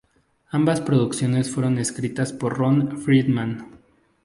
Ambas producciones fueron escritas por Ron Friedman.